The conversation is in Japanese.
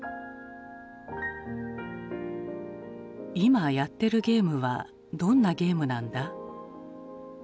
今やってるゲームはどんなゲームなんだ？